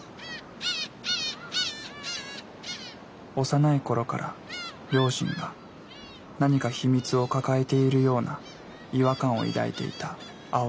幼い頃から両親が何か秘密を抱えているような違和感を抱いていたアオイさん。